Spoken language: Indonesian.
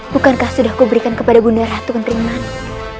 bukankah sudah kuberikan kepada bunda ratu kentering manik